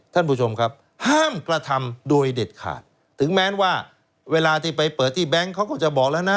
ท่านผู้ชมครับห้ามกระทำโดยเด็ดขาดถึงแม้ว่าเวลาที่ไปเปิดที่แบงค์เขาก็จะบอกแล้วนะ